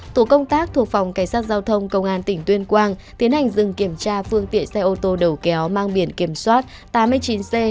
tổ công tác thuộc phòng cảnh sát giao thông công an tỉnh tuyên quang tiến hành dừng kiểm tra phương tiện xe ô tô đầu kéo mang biển kiểm soát tám mươi chín c hai mươi chín nghìn bốn trăm hai mươi hai